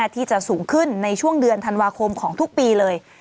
ที่จะสูงขึ้นในช่วงเดือนธันวาคมของทุกปีเลย